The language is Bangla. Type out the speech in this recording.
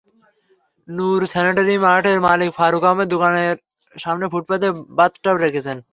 নূর স্যানিটারি মার্টের মালিক ফারুক আহমেদ দোকানের সামনের ফুটপাতে বাথটাব রেখেছেন।